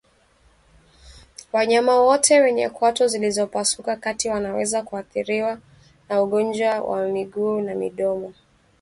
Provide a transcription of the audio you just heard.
Wanyama wote wenye kwato zilizopasuka kati wanaweza kuathiriwa na ugonjwa wa miguu na midomo